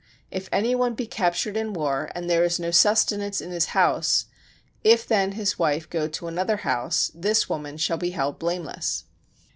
If any one be captured in war and there is no sustenance in his house, if then his wife go to another house, this woman shall be held blameless.